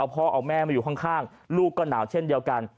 พ่อเอาแม่มาอยู่ข้างลูกก็หนาวเช่นเดียวกัน